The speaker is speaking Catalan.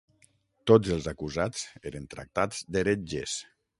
Tots els acusats eren tractats d'heretges.